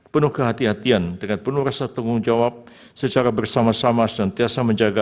penuh kehatian kehatian dengan penuh rasa tanggung jawab secara bersama sama senantiasa menjaga